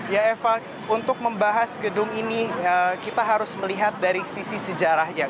ya eva untuk membahas gedung ini kita harus melihat dari sisi sejarahnya